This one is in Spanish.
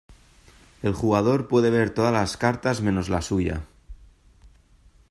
El jugador puede ver todas las cartas menos la suya.